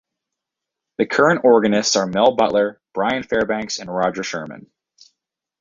The current organists are Mel Butler, Brian Fairbanks, and Roger Sherman.